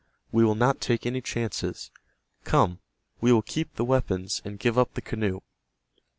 We will not take any chances. Come, we will keep the weapons, and give up the canoe."